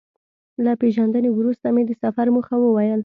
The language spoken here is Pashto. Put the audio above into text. له پېژندنې وروسته مې د سفر موخه وویل.